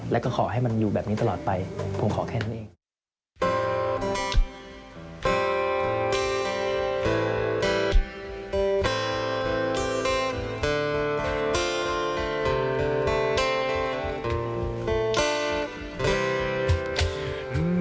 แล้วก็ขอให้มันอยู่แบบนี้ตลอดไปผมขอแค่นั้นเอง